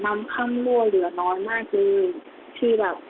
มันค่ำรั่วเหลือน้อยมากเลย